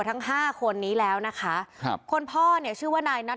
ทั้งห้าคนนี้แล้วนะคะครับคนพ่อเนี่ยชื่อว่านายนัท